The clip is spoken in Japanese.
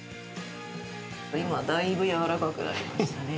今、だいぶやわらかくなりましたね。